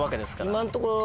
今んところ。